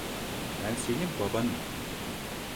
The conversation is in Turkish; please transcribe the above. Ben senin babanım.